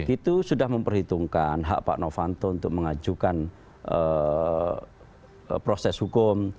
itu sudah memperhitungkan hak pak novanto untuk mengajukan proses hukum